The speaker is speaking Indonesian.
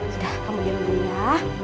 udah kamu diam dulu ya